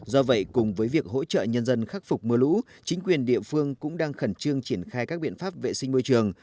do vậy cùng với việc hỗ trợ nhân dân khắc phục mưa lũ chính quyền địa phương cũng đang khẩn trương triển khai các biện pháp vệ sinh môi trường